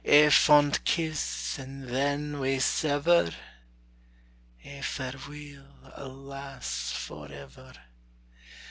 Ae fond kiss, and then we sever; Ae fareweel, alas, forever!